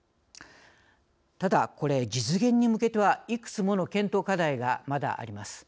ただ、これ実現に向けてはいくつもの検討課題がまだあります。